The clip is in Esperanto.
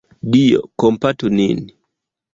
Dio kompatu nin!